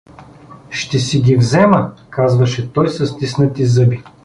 „Ще си ги взема!“ — казваше той със стиснати зъби.